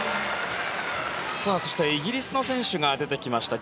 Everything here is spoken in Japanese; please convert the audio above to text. そして、イギリスの選手が出てきました。